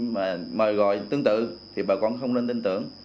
mà mời gọi tương tự thì bà con không nên tin tưởng